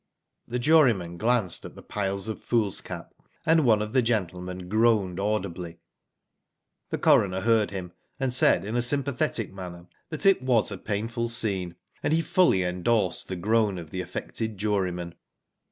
^' The jurymen glanced at the piles of foolscap, and one of the gentlemen groaned audibly. ' The coroner heard him, and said, in a sympathetic manner, that it was^a painful scene, and he fully endorsed the groan of the affected juryman.